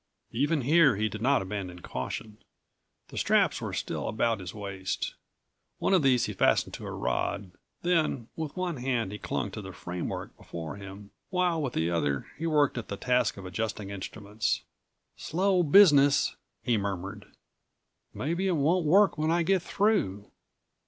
Even here he did not abandon caution. The straps were still about his waist. One of these he fastened to a rod. Then with one hand he clung to the framework before him, while with the other he worked at the task of adjusting instruments.181 "Slow business," he murmured. "Maybe it won't work when I get through.